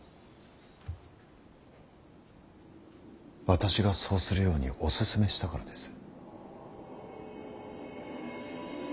私がそうするようにお勧めしたからです。